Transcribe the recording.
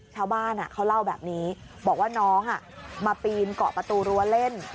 ชาวบ้านเขาเล่าแบบนี้บอกว่าน้องมาปีนเกาะประตูรั้วเล่น